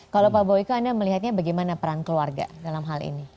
kalau pak boyko anda melihatnya bagaimana peran keluarga dalam hal ini